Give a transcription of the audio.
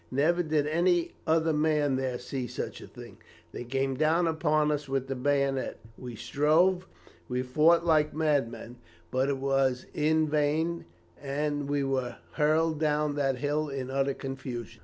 Never did any other man there see such a thing. They came down upon us with the bayonet. We strove, we fought like madmen; but it was in vain, and we were hurled down that hill in utter confusion.